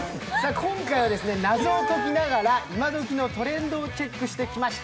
今回は謎を解きながら、今どきのトレンドをチェックしてきました。